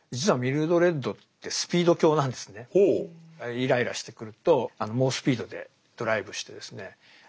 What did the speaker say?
イライラしてくると猛スピードでドライブしてですね